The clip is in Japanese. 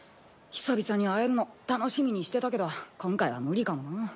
久々に会えるの楽しみにしてたけど今回は無理かもな。